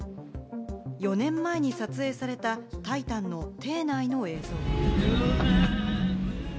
４年前に撮影されたタイタンの艇内の映像。